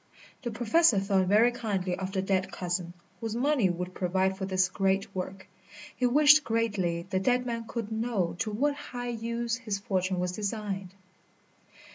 The Professor thought very kindly of the dead cousin, whose money would provide for this great work. He wished greatly the dead man could know to what high use his fortune was designed.